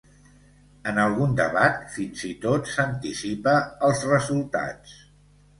En algun debat fins i tot s’anticipa als resultats.